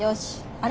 あれ？